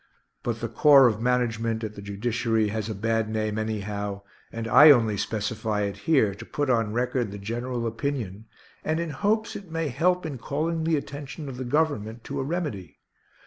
But the corps of management at the Judiciary has a bad name anyhow, and I only specify it here to put on record the general opinion, and in hopes it may help in calling the attention of the Government to a remedy.